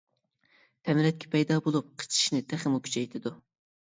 تەمرەتكە پەيدا بولۇپ قېچىشىشنى تېخىمۇ كۈچەيتىدۇ.